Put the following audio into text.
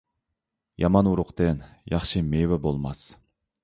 يامان ئۇرۇقتىن ياخشى مېۋە بولماس.